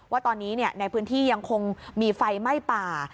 ว่าตอนนี้ในพื้นที่ยังคงมีไฟไหม้ป่า